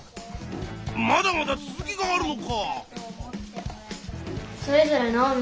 まだまだ続きがあるのか。